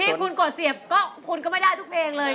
นี่คุณกดเสียบก็คุณก็ไม่ได้ทุกเพลงเลย